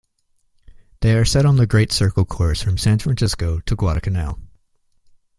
They are set on the great circle course from San Francisco to Guadalcanal.